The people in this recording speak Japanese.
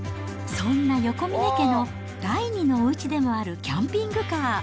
そんな横峯家の第２のおうちでもあるキャンピングカー。